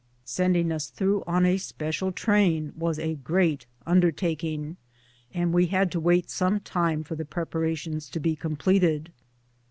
Sending us through on a special train was a great undertaking, and we had to wait some time for the preparations to be completed.